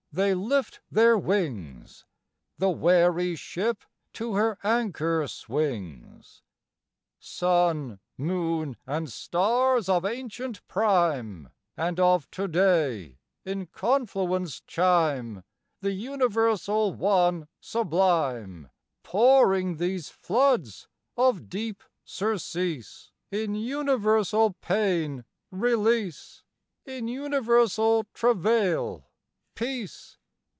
they lift their wings; The wary ship to her anchor swings. II. Sun, moon and stars of ancient prime, And of to day, in confluence chime The universal One sublime; Pouring these floods of deep surcease, In universal pain, release; In universal travail, peace.